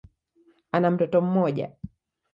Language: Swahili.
Ana mtoto mmoja.